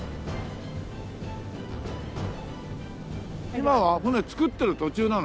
今は船造ってる途中なの？